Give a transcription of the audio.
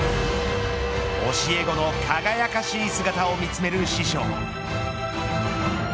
教え子の輝かしい姿を見詰める師匠。